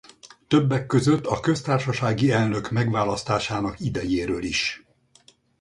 Többek között a köztársasági elnök megválasztásának idejéről is.